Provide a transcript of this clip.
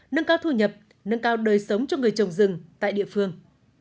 nâng cao thu nhập nâng cao đời sống cho người trồng rừng tại địa phương